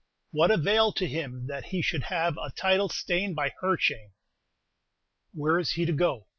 What avail to him that he should have a title stained by her shame? Where is he to go?